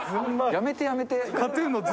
やめてやめて。